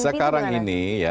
sekarang ini ya